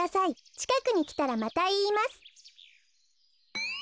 ちかくにきたらまたいいます。